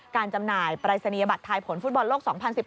จำหน่ายปรายศนียบัตรทายผลฟุตบอลโลก๒๐๑๘